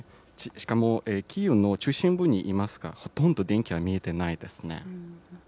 しかもキーウの中心部にいますが、ほとんど電気は見えてないですね。